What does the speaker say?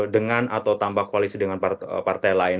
dengan atau tanpa kualisi dengan partai lain